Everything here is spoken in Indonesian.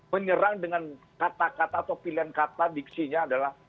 menyerang dengan kata kata atau pilihan kata diksinya adalah